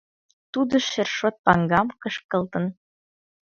Тудо шершот паҥгам кышкылтын.